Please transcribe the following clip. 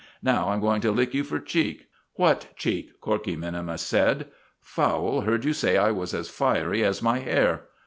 "Now I'm going to lick you for cheek." "What cheek?" Corkey minimus said. "Fowle heard you say I was as fiery as my hair."